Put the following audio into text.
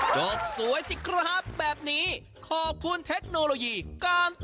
จบสวยสิครับแบบนี้ขอบคุณเทคโนโลยีการต่อ